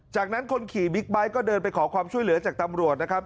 จากนั้นคนขี่บิ๊กไบท์ก็เดินไปขอความช่วยเหลือจากตำรวจนะครับ